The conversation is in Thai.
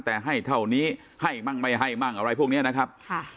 แต่ให้เท่านี้ให้มั่งไม่ให้มั่งอะไรพวกนี้นะครับ